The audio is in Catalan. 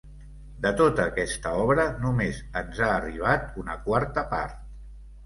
De tota aquesta obra, només ens n'ha arribat una quarta part.